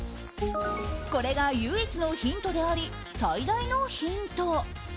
これが唯一のヒントであり最大のヒント。